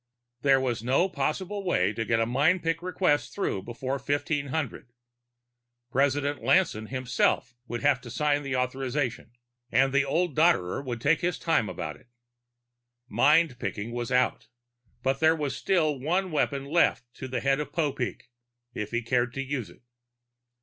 There was no possible way to get a mind pick request through before 1500; President Lanson himself would have to sign the authorization, and the old dodderer would take his time about it. Mind picking was out, but there was still one weapon left to the head of Popeek, if he cared to use it.